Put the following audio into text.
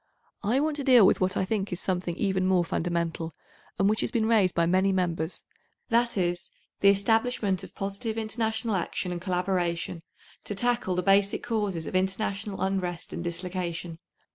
I want to deal with what I think is something even more fundamental, and which has been raised by many Members, that is, the establishment of positive international action and collaboration to tackle the basic causes of international unrest and dislocation.